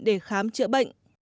để khám chữa bệnh